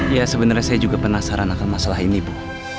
ya sebenarnya saya juga penasaran akan masalah ini bu